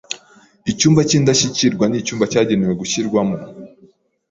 Icyumba cy’indashyikirwa ni icyumba cyagenewe gushyirwamo